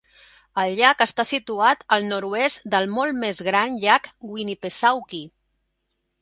El llac està situat al nord-oest del molt més gran llac Winnipesaukee.